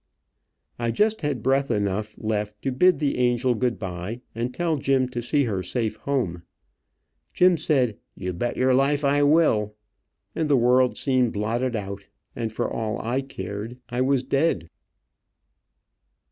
I just had breath enough left to bid the angel good bye, and tell Jim to see her safe home. Jim said, "You bet your life I will," and the world seemed blotted out, and for all I cared, I was dead.